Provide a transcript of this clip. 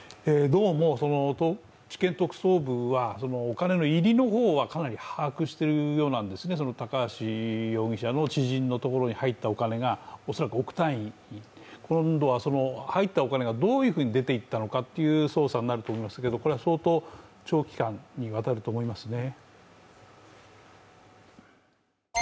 どうも、地検特捜部はお金の入りの方はかなり把握しているようなんですね、高橋容疑者の知人のところに入ったお金が、恐らく億単位で今度はその入ったお金がどういうふうに出ていったのかというような捜査になると思いますけれどもこれは相当長期間にわたると思いますね。